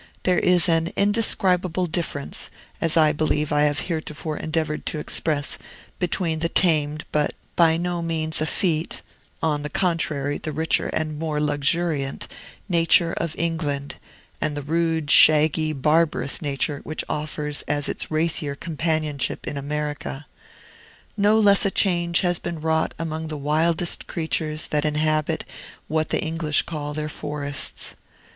There is an indescribable difference as I believe I have heretofore endeavored to express between the tamed, but by no means effete (on the contrary, the richer and more luxuriant) nature of England, and the rude, shaggy, barbarous nature which offers as its racier companionship in America. No less a change has been wrought among the wildest creatures that inhabit what the English call their forests.